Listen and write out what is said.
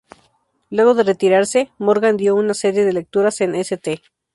Luego de retirarse, Morgan dio una serie de lecturas en St.